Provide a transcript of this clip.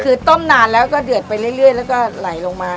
คือต้มนานแล้วก็เดือดไปเรื่อยแล้วก็ไหลลงมา